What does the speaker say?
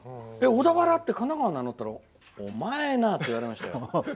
小田原って神奈川なのって言ったらお前な！って言われました。